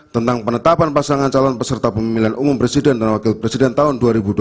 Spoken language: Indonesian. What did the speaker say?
tentang penetapan pasangan calon peserta pemilihan umum presiden dan wakil presiden tahun dua ribu dua puluh